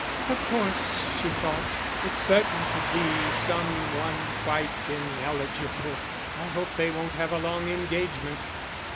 "Of course," she thought, "it's certain to be some one quite ineligible. I hope they won't have a long engagement."